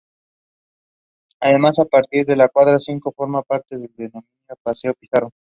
Además, a partir de la cuadra cinco forma parte del denominado "Paseo Pizarro".